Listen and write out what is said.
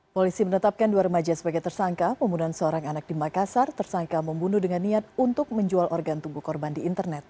polisi menetapkan dua remaja sebagai tersangka pembunuhan seorang anak di makassar tersangka membunuh dengan niat untuk menjual organ tunggu korban di internet